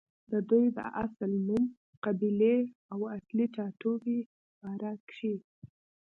ددوي د اصل نوم، قبيلې او اصلي ټاټوبې باره کښې